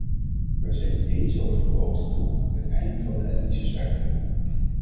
Wij zijn het eens over het beoogde doel, het einde van de etnische zuiveringen.